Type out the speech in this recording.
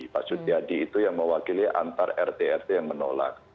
pak sutiadi itu yang mewakili antar rt rt yang menolak